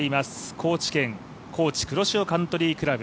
高知県、Ｋｏｃｈｉ黒潮カントリークラブ。